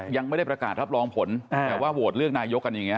ยังไม่ได้ประกาศรับรองผลแต่ว่าโหวตเลือกนายกกันอย่างนี้